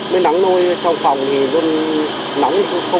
mới nắng nôi trong phòng thì luôn